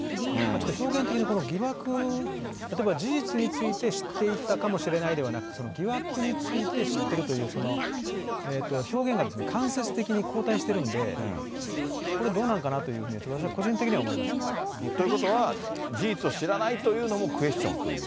ちょっと表現的にこの疑惑、例えば事実について知っていたかもしれないではなく、その疑惑について知ってるという表現がですね、間接的に後退してるんで、これ、どうなんかなというふうに、ということは、事実を知らないというのもクエスチョンという？